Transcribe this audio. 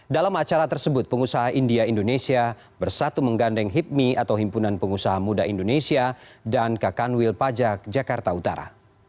dalam acara tersebut pengusaha india indonesia bersatu menggandeng hipmi atau himpunan pengusaha muda indonesia dan kakanwil pajak jakarta utara